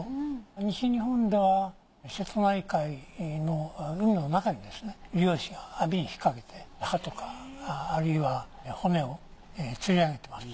西日本では瀬戸内海の海の中でですね漁師が網に引っかけて歯とかあるいは骨を釣り上げてます。